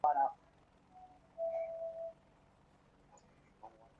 আমি চিরদূর্দম, দুর্বিনীত, নৃশংস।